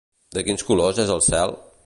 De quins colors és el cel?